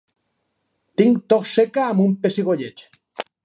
Tinc tos seca amb un pessigolleig.